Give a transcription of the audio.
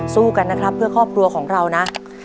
สู้กันนะครับเพื่อครอบครัวของเรานะ